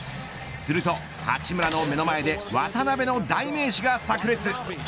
すると、八村の目の前で渡邊の代名詞がさく裂。